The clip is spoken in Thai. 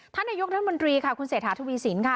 ท่านนายยกท่านมันตรีค่ะคุณเสถาธุวีศิลป์ค่ะ